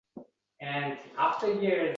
Yuqori «qaynash darajasi»ga keladi.